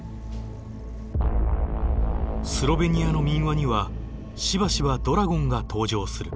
スロベニアの民話にはしばしばドラゴンが登場する。